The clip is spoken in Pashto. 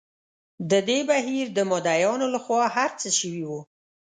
د دې بهیر د مدعییانو له خوا هر څه شوي وو.